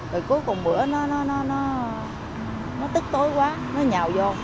rồi cuối cùng bữa nó tích tối quá nó nhào vô